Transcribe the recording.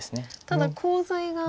ただコウ材が。